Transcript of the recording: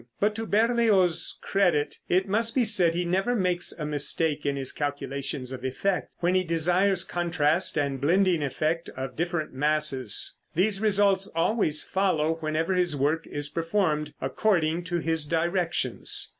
But to Berlioz's credit it must be said he never makes a mistake in his calculations of effect. When he desires contrast and blending effect of different masses, these results always follow whenever his work is performed according to his directions.